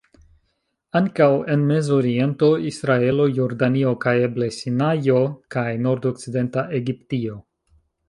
Ankaŭ en Mezoriento, Israelo, Jordanio kaj eble Sinajo kaj Nordokcidenta Egiptio.